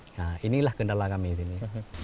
nah inilah kendala kami di sini